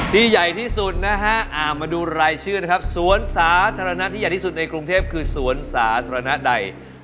ใหญ่ที่สุดนะฮะมาดูรายชื่อนะครับสวนสาธารณะที่ใหญ่ที่สุดในกรุงเทพคือสวนสาธารณะใด